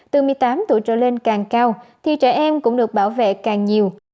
từ một mươi tám tuổi trở lên càng cao thì trẻ em cũng được bảo vệ càng nhiều